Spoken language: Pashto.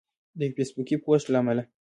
د یو فیسبوکي پوسټ له امله